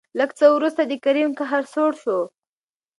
لېږ څه ورورسته د کريم قهر سوړ شو.